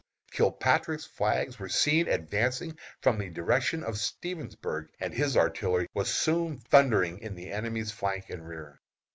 Kilpatrick's flags were seen advancing from the direction of Stevensburg, and his artillery was soon thundering in the enemy's flank and rear.